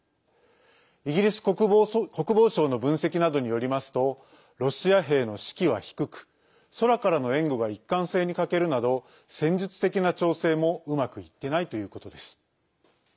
イギリス国防省の分析などによりますとロシア兵の士気は低く空からの援護が一貫性に欠けるなど戦術的な調整もうまくいってないということです。